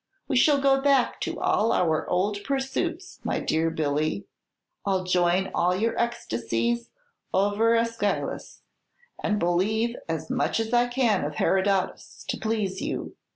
We shall go back to all our old pursuits, my dear Billy. I'll join all your ecstasies over Æschylus, and believe as much as I can of Herodotus, to please you.